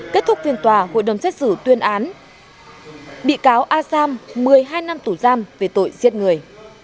kết thúc phiên tòa hội đồng xét xử tuyên án bị cáo azam một mươi hai năm tù giam về tội giết người